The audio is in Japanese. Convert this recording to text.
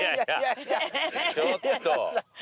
ちょっと。